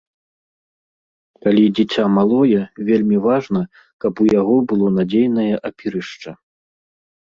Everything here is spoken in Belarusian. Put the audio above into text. Калі дзіця малое, вельмі важна, каб у яго было надзейнае апірышча.